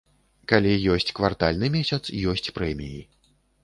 Калі ёсць квартальны месяц, ёсць прэміі.